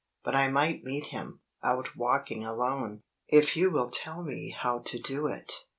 But I might meet him, out walking alone, if you will tell me how to do it.